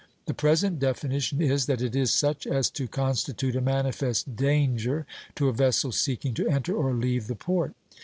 The present definition is, that it is such as to constitute a manifest danger to a vessel seeking to enter or leave the port.